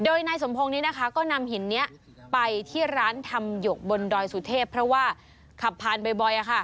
โดยนายสมพงศ์นี้นะคะก็นำหินนี้ไปที่ร้านทำหยกบนดอยสุเทพเพราะว่าขับผ่านบ่อย